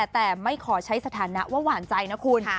แต่ไม่ขอใช้สถานะว่าหวานใจนะคุณ